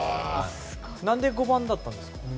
何で５番だったんですか？